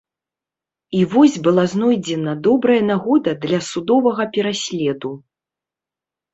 І вось была знойдзена добрая нагода для судовага пераследу.